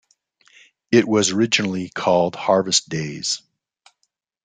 It was originally called Harvest Days.